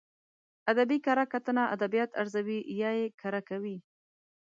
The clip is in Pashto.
ادبي کره کتنه ادبيات ارزوي يا يې کره کوي.